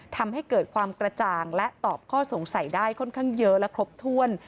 ทำให้เกิดความกระจ่างและตอบข้อสงสัยได้ค่อนข้างเยอะและครบถ้วน